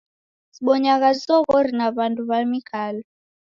Sibonyagha zoghori na w'andu w'a mikalo.